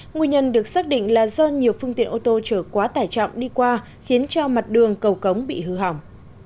nguyên nhân được xác định là do nhiều phương tiện ô tô chở quá tải trọng đi qua khiến cho mặt đường cầu cống bị hư hỏng